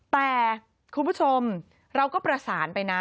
แต่คุณผู้ชมเราก็ประสานไปนะ